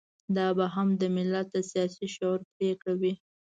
دا به هم د ملت د سياسي شعور پرېکړه وي.